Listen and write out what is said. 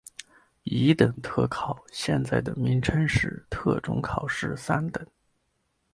乙等特考现在的名称是特种考试三等。